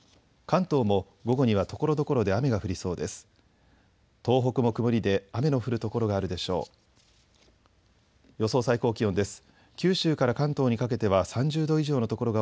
関東も午後にはところどころで雨が降りそうです。